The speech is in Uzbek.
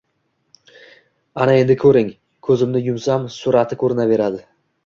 Аna endi koʼring. Koʼzimni yumsam, surati koʼrinaveradi